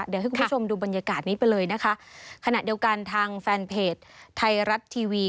เดี๋ยวให้คุณผู้ชมดูบรรยากาศนี้ไปเลยนะคะขณะเดียวกันทางแฟนเพจไทยรัฐทีวี